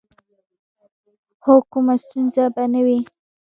هو، کومه ستونزه به نه وي.